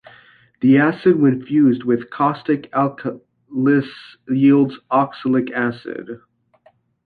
The acid when fused with caustic alkalis yields oxalic acid.